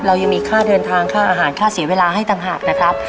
เรายังมีค่าเดินทางค่าอาหารค่าเสียเวลาให้ต่างหากนะครับ